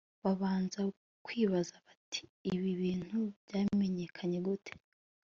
babanza kwibaza, bati «ibi bintu byamenyekanye gute